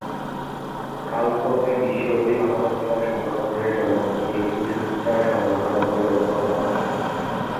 কালক্রমে বিশ্বব্যাপী মানবাধিকার সংরক্ষণের জন্য এটি একটি সোচ্চার সংগঠনে পরিণত হয়।